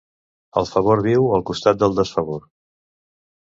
El favor viu al costat del desfavor.